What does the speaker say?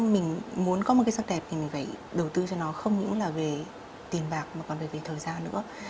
mình muốn có một cái sắc đẹp thì mình phải đầu tư cho nó không những là về tiền bạc mà còn về thời gian nữa